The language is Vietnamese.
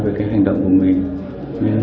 với cái hành động của mình